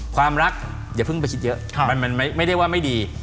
ความรักอย่าเพิ่งไปคิดเยอะมันไม่ได้ว่าไม่ดี